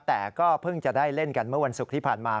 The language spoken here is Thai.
แต่ก็เพิ่งจะได้เล่นกันเมื่อวันศุกร์ที่ผ่านมา